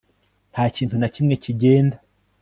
nta kintu na kimwe kigenda